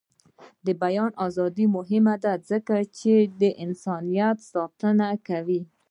د بیان ازادي مهمه ده ځکه چې د انسانیت ساتنه کوي.